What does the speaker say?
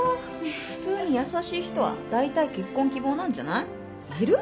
普通に優しい人は大体結婚希望なんじゃない？いる？